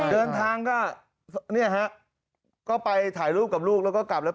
เดินทางก็ไปถ่ายรูปกับลูกแล้วก็กลับเลย